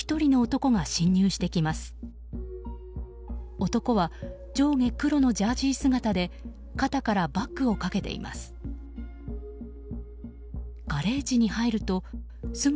男は上下黒のジャージー姿で肩からバッグをかけています。